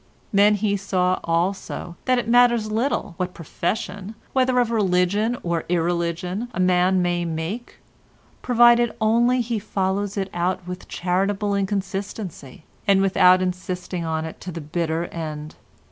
Then he saw also that it matters little what profession, whether of religion or irreligion, a man may make, provided only he follows it out with charitable inconsistency, and without insisting on it to the bitter end.